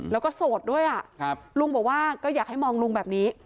แล้วก็โสดด้วยลุงบอกว่าก็อยากให้มองลุงแบบนี้